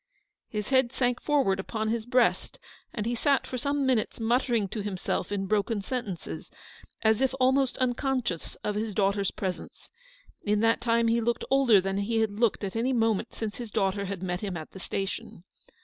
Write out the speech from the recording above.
His head sank forward upon his breast, and he sat for some minutes muttering to himself in broken sentences, as if almost unconscious of his daughter's presence. In that time he looked older than he had looked at any moment since his daughter had met him at the station.